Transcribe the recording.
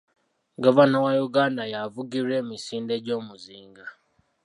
Gavana wa Uganda ye avugirwa emisinde gy'omuzinga.